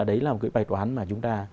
đấy là một cái bài toán mà chúng ta